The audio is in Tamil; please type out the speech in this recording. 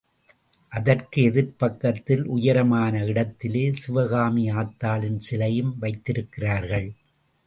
அதற்கு எதிர்ப் பக்கத்தில் உயரமான இடத்திலே சிவகாமி ஆத்தாளின் சிலையும் வைத்திருக்கிறார்கள்.